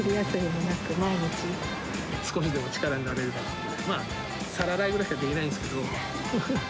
少しでも力になれればと、皿洗いぐらいしかできないんですけど。